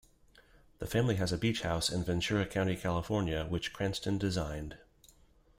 The family has a beach house in Ventura County, California, which Cranston designed.